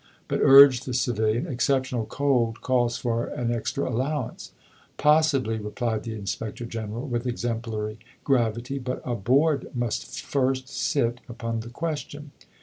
But, urged the civilian, exceptional cold calls for an extra allowance. Possibly, replied the Inspector General with exemplary gravity, but "a Board must first sit" upon the question.